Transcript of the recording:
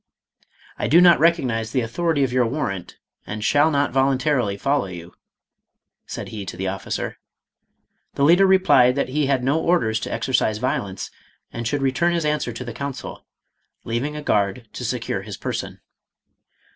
" I do not recognize the authority of your warrant, and shall not voluntarily follow you," said he to the officer. The leader replied that he had no orders to exercise violence and should return his answer to the Council, leaving a guard to secure his person.